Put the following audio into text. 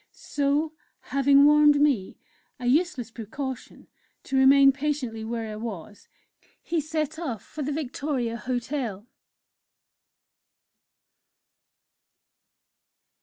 So, having warned me a useless precaution to remain patiently where I was, he set off for the Victoria Hotel.